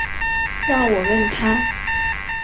让我问他